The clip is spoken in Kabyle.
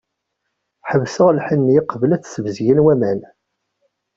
Ḥebseɣ lḥenni, qbel ad t-sbezgen waman.